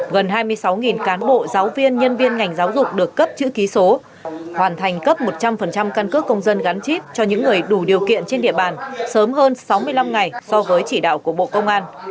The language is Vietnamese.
gần hai mươi sáu cán bộ giáo viên nhân viên ngành giáo dục được cấp chữ ký số hoàn thành cấp một trăm linh căn cước công dân gắn chip cho những người đủ điều kiện trên địa bàn sớm hơn sáu mươi năm ngày so với chỉ đạo của bộ công an